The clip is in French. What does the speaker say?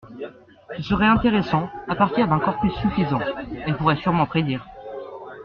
Ce serait intéressant, à partir d’un corpus suffisant, elle pourrait sûrement prédire…